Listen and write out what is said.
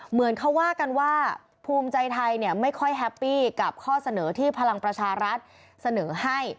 เหมือนเขาว่ากันว่าภูมิใจไทยไม่ค่อยแฮปปี้กับข้อเสนอที่พลังประชารัฐเสนอให้